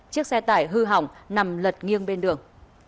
chiếc xe tải hư hỏng nằm lật nghiêng bên đường